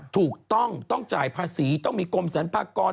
ถูกต้องต้องจ่ายภาษีต้องมีกรมสรรพากร